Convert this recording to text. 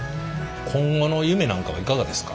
今後の夢なんかはいかがですか？